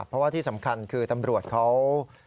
เพราะว่าที่สำคัญคือตำรวจเขา